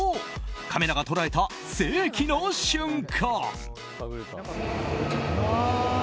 カメラが捉えた世紀の瞬間。